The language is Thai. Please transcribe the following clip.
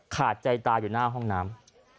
ขาดใจตายอยู่หน้าห้องน้ำ